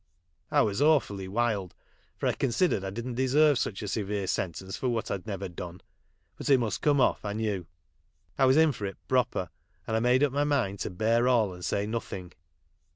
I was awfully wild, for I considered I didn't deservo such a severe sentence for what I'd never done ; but it must come off I knew. X was in for it proper, and I made up my mind to bear all ana say nothing.